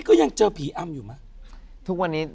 โรงแรมนี้ทำให้ฉันจิตตก